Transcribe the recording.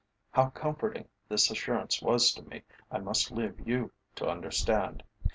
How comforting this assurance was to me I must leave you to understand.